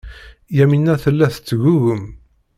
Yamina tella tettgugum.